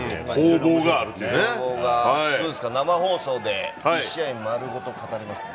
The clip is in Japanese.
生放送で１試合丸ごと語れますよ。